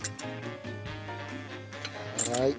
はい。